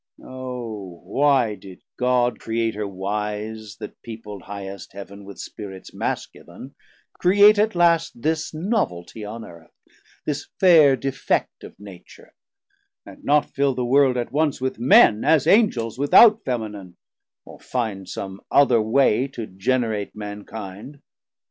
O why did God, Creator wise, that peopl'd highest Heav'n With Spirits Masculine, create at last 890 This noveltie on Earth, this fair defect Of Nature, and not fill the World at once With Men as Angels without Feminine, Or find some other way to generate Mankind?